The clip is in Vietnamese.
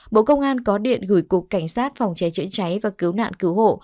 bộ công an có điện gửi cục cảnh sát phòng cháy chữa cháy và cứu nạn cứu hộ